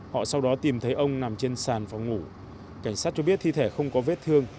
họ sau đó tìm thấy ông nằm trên sàn phòng ngủ cảnh sát cho biết thi thể không có vết thương